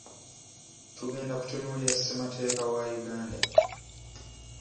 Tugenda kutunuulira ssemateeka wa Uganda.